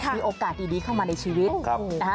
มีโอกาสดีเข้ามาในชีวิตนะคะ